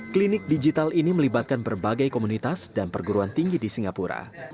klinik digital ini melibatkan berbagai komunitas dan perguruan tinggi di singapura